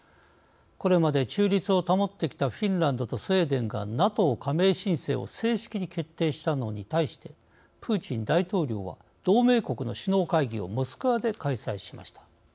これまで中立を保ってきたフィンランドとスウェーデンがＮＡＴＯ加盟申請を正式に決定したのに対してプーチン大統領は同盟国の首脳会議をモスクワで開催しました。